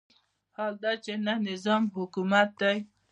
حال دا چې نه نظام حکومت دی.